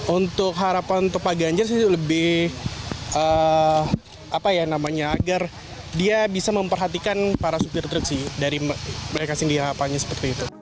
untuk harapan pak ganjar lebih agar dia bisa memperhatikan para sopir truk dari mereka sendiri